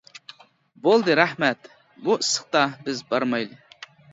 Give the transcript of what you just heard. -بولدى رەھمەت، بۇ ئىسسىقتا بىز بارمايلى.